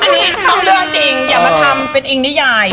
อันนี้ต้องเลือกจริงอย่ามาทำเป็นอิงนิยาย